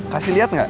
kasih liat nggak